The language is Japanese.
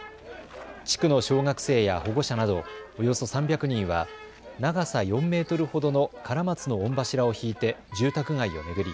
地区の小学生や保護者などおよそ３００人は長さ４メートルほどのカラマツの御柱を引いて住宅街を巡り